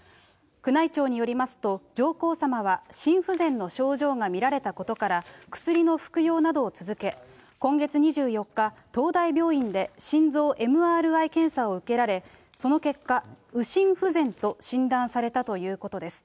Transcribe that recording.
宮内庁によりますと、上皇さまは心不全の症状が見られたことから、薬の服用などを続け、今月２４日、東大病院で心臓ＭＲＩ検査を受けられ、その結果、右心不全と診断されたということです。